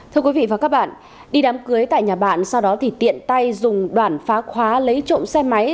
thưa quý vị và các bạn đi đám cưới tại nhà bạn sau đó thì tiện tay dùng đoạn phá khóa lấy trộm xe máy